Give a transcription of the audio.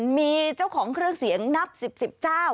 มีเจ้าของเครื่องเสียงนับ๑๐๑๐เจ้า